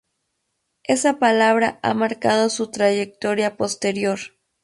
Esa palabra ha marcado su trayectoria posterior.